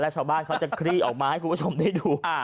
ชาวบ้านเขาจะคลี่ออกมาให้คุณผู้ชมได้ดู